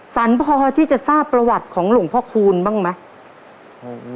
สรรพอที่จะทราบประวัติของหลวงพ่อคูณบ้างไหม